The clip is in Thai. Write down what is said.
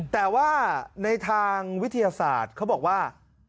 แต่ว่าในทางวิทยาศาสตร์เขาบอกว่า